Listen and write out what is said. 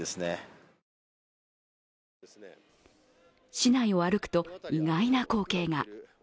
市内を歩くと、意外な光景が。